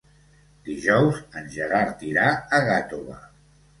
Dijous en Gerard irà a Gàtova.